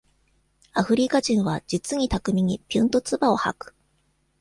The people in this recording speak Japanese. アフリカ人は、実に巧みに、ぴゅんとつばを吐く。